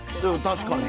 確かに。